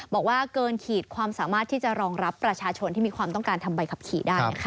บอกว่าเกินขีดความสามารถที่จะรองรับประชาชนที่มีความต้องการทำใบขับขี่ได้นะคะ